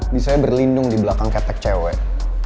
bisa berlindung di belakang ketek cewek